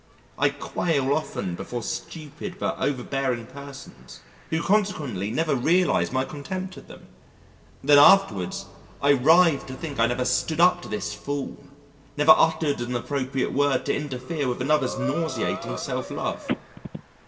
I quail often before stupid but over bearing persons who consequently never realise my contempt of them. Then afterwards, I writhe to think I never stood up to this fool; never uttered an appropriate word to interfere with another's nauseating self love.